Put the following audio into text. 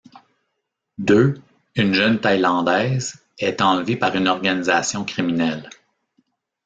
Deu, une jeune thaïlandaise, est enlevée par une organisation criminelle.